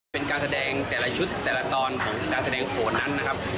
เป็นการแสดงแต่ละชุดแต่ละตอนของการแสดงโหดนั้นนะครับ